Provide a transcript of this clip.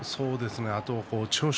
あと千代翔